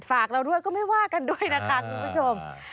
ฝากเราด้วยก็ไม่ว่ากันด้วยนะคะคุณผู้ชม